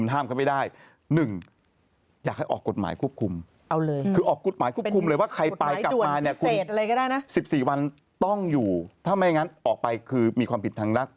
ถ้าไม่อย่างนั้นออกไปคือมีความผิดทางลักษณ์